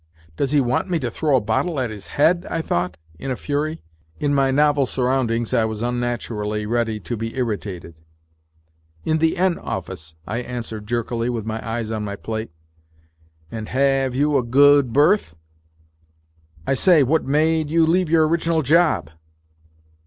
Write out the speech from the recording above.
" Does he want me to throw a bottle at his head ?" I thought, in a fury. In my novel surroundings I was unnaturally ready to be irritated. " In the N office," I answered jerkily, with my eyes on my plate. "And ha ave you a go od berth? I say, what ma a de you leave your original job